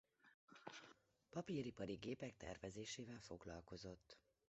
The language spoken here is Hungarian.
Papíripari gépek tervezésével foglalkozott.